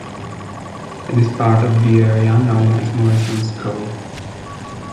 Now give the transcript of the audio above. It is part of the area known as Morrisons Cove.